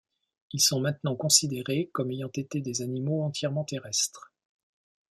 Ils sont maintenant considérés comme ayant été des animaux entièrement terrestres.